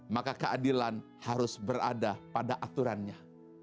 maka keadilan harus berada pada aturannya